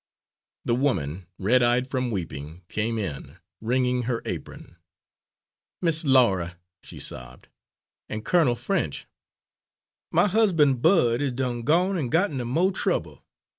The woman, red eyed from weeping, came in, wringing her apron. "Miss Laura," she sobbed, "an' Colonel French, my husban' Bud is done gone and got inter mo' trouble.